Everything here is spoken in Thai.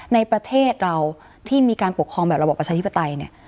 ในประเทศเราที่มีการปกครองแบบระบบประชาธิปไตยเนี่ย